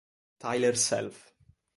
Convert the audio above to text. Tyler Self